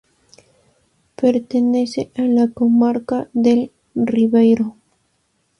Pertenece a la comarca del Ribeiro.